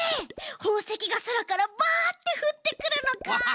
ほうせきがそらからバッてふってくるのか。